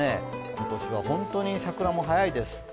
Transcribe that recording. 今年は本当に桜も早いです。